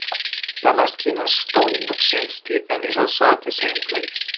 Damaskinos’s "Stoning of Saint Stephen" is also at the same place.